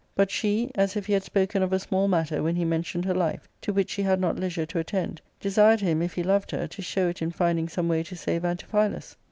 But she, as if he had spoken of a small matter when he mentioned her life, to which she had not leisure to attend, desired him, if he loved her, to show it in finding some way to save Antiphilus.